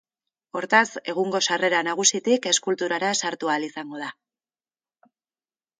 Hortaz, egungo sarrera nagusitik eskulturara sartu ahal izango da.